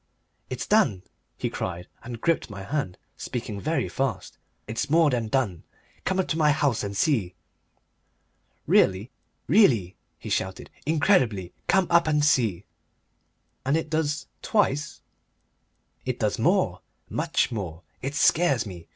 "It's done," he cried, and gripped my hand, speaking very fast; "it's more than done. Come up to my house and see." "Really?" "Really!" he shouted. "Incredibly! Come up and see." "And it does twice? "It does more, much more. It scares me.